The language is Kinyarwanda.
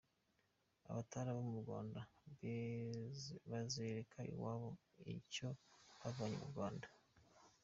Abatari abo mu Rwanda bazereka iwabo icyo bavanye mu Rwanda.